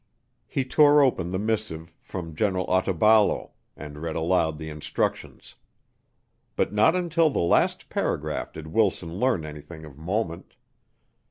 He tore open the missive from General Otaballo, and read aloud the instructions. But not until the last paragraph did Wilson learn anything of moment.